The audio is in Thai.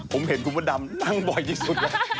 ผมเห็นกุฎดำนั่งบ่อยที่สุด